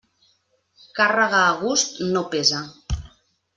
Càrrega a gust no pesa.